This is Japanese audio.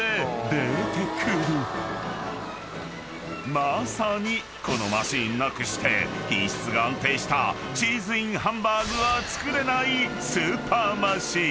［まさにこのマシンなくして品質が安定したチーズＩＮハンバーグは作れないスーパーマシン。